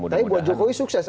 tapi buat jokowi sukses